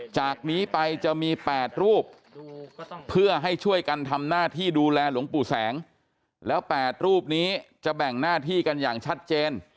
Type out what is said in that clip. จากนี้ไปจะมี๘รูปเพื่อให้ช่วยกันทำหน้าที่ดูแลหลวงปู่แสงแล้ว๘รูปนี้จะแบ่งหน้าที่กันอย่างชัดเจน